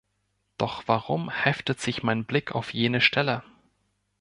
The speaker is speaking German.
Doch warum heftet sich mein Blick auf jene Stelle?